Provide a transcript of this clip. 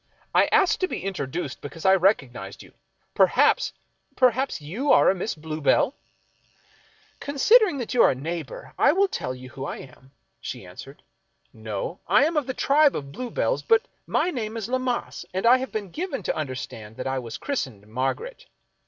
I asked to be introduced because I recognized you. Per haps — perhaps you are a Miss Bluebell ?"" Considering that you are a neighbor, I will tell you who I am," she answered. " No ; I am of the tribe of Blue bells, but my name is Lammas, and I have been given to understand that I was christened Margaret.